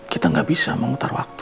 kita nggak bisa memutar waktu